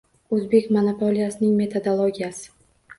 O'zbek monopoliyasining metodologiyasi